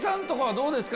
どうですか？